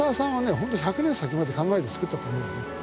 本当１００年先まで考えて造ったと思うよ